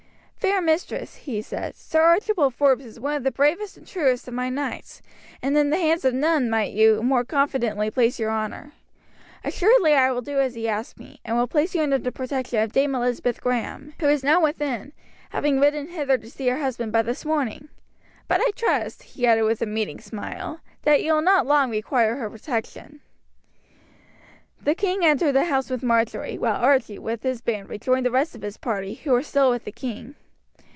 "Fair mistress," he said, "Sir Archibald Forbes is one of the bravest and truest of my knights, and in the hands of none might you more confidently place your honour. Assuredly I will do as he asks me, and will place you under the protection of Dame Elizabeth Graham, who is now within, having ridden hither to see her husband but this morning. But I trust," he added, with a meaning smile, "that you will not long require her protection." The king entered the house with Marjory, while Archie, with his band, rejoined the rest of his party, who were still with the king.